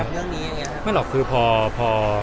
กับเรื่องนี้อย่างเงี้ย